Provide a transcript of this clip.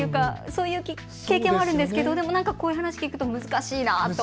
そういう経験があるんですけどこういう話を聞くと難しいなと思って。